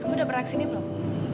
kamu udah beraksi ini belum